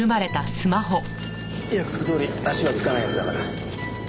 約束どおり足のつかないやつだから。